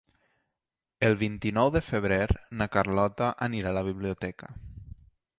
El vint-i-nou de febrer na Carlota anirà a la biblioteca.